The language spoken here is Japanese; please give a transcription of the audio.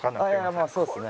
まあそうですね。